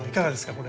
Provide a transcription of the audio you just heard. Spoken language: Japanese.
これ。